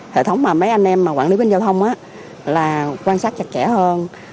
hệ thống mà mấy anh em mà quản lý bên giao thông là quan sát chặt chẽ hơn